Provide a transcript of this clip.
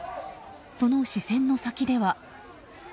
その視線の先では。